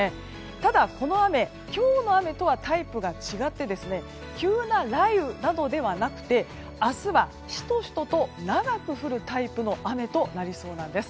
ただ、この雨今日の雨とはタイプが違って急な雷雨などではなくて明日は、シトシトと長く降るタイプの雨となりそうなんです。